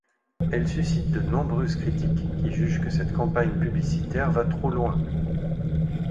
Elle suscite de nombreuses critiques, qui jugent que cette campagne publicitaire va trop loin.